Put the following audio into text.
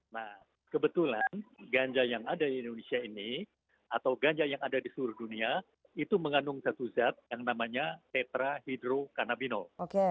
nah kebetulan ganja yang ada di indonesia ini atau ganja yang ada di seluruh dunia itu mengandung satu zat yang namanya tetrahydrokanabinol